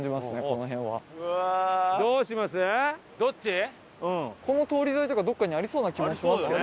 この通り沿いとかどっかにありそうな気もしますね。